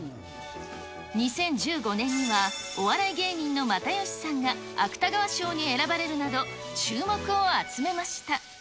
２０１５年には、お笑い芸人の又吉さんが芥川賞に選ばれるなど、注目を集めました。